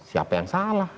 siapa yang salah